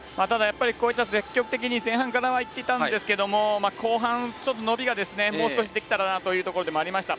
積極的に前半からいっていたんですが後半、伸びがもう少しできたらというところでもありました。